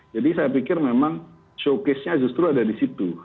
jadi saya pikir memang showcase nya justru ada di situ